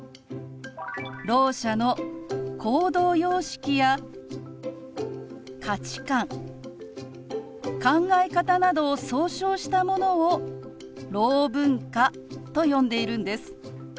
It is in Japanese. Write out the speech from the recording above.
ろう者の行動様式や価値観考え方などを総称したものをろう文化と呼んでいるんです。